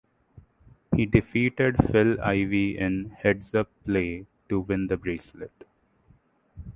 He defeated Phil Ivey in heads-up play to win the bracelet.